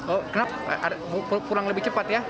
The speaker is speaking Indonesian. oh kenapa pulang lebih cepat ya